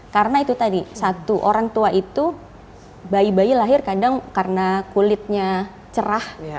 karena itu tadi satu orang tua itu bayi bayi lahir kadang karena kulitnya cerah